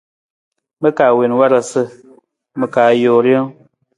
Ma ka wiin warasa, ma ka joo rijang.